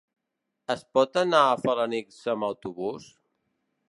Es pot anar a Felanitx amb autobús?